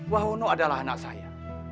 wahono adalah anak saya